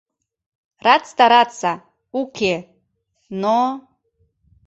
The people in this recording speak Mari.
Рад стараться, уке, но...